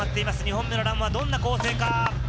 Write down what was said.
２本目のランはどんな構成か。